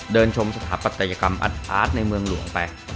ชมสถาปัตยกรรมอัดอาร์ตในเมืองหลวงไป